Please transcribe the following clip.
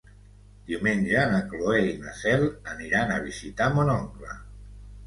Diumenge na Cloè i na Cel aniran a visitar mon oncle.